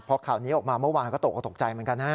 พอข่าวนี้ออกมาเมื่อวานก็ตกออกตกใจเหมือนกันนะ